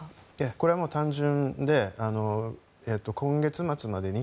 これは単純で今月末までに